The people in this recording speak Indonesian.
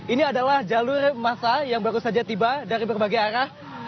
ini adalah jalur massa yang baru saja tiba dari berbagai arah